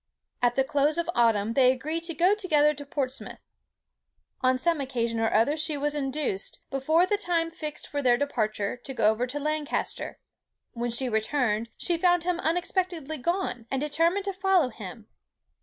At the close of autumn they agreed to go together to Portsmouth. On some occasion or other she was induced, before the time fixed for their departure, to go over to Lancaster. When she returned, she found him unexpectedly gone, and determined to follow him.